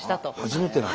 初めてなの？